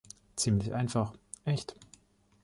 Ziemlich einfach, echt.